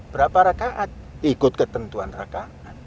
berapa rakaat ikut ketentuan rakaat